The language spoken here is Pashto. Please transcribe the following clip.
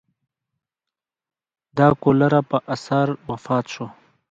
د کولرا په اثر وفات شو.